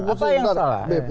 apa yang salah